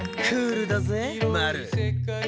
クールだぜマル。